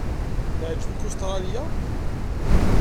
Teɛjeb-iken Ustṛalya?